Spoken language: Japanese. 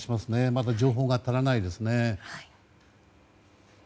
まだ情報が足らないですね。